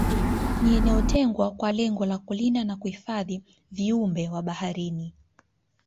Ni eneo tengwa kwa lengo la kulinda na kuhifadhi viumbe wa baharini